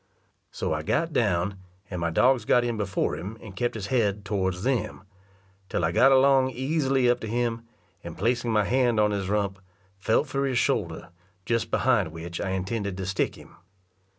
So I got down, and my dogs got in before him and kept his head towards them, till I got along easily up to him; and placing my hand on his rump, felt for his shoulder, just behind which I intended to stick him.